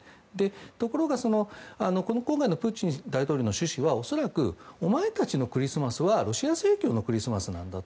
ところが今回のプーチン大統領の趣旨は恐らくお前たちのクリスマスはロシア正教のクリスマスなんだと。